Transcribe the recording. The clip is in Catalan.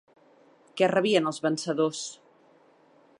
Què rebien els vencedors?